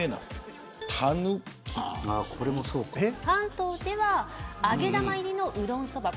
関東では揚げ玉入りのうどん、そば。